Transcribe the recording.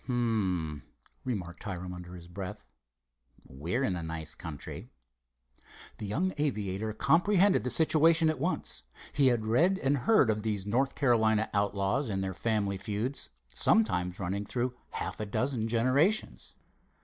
"H'm," remarked Hiram under his breath. "We're in a nice country!" The young aviator comprehended the situation at once. He had read and heard of these North Carolina outlaws and their family feuds, sometimes running through half a dozen generations.